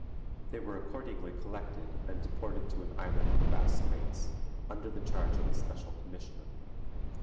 They were accordingly collected, and deported to an island in Bass Straits, under the charge of a special commissioner.